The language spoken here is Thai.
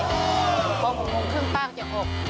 ป่าของผมคนขึ้นตั้งเดี๋ยวอบ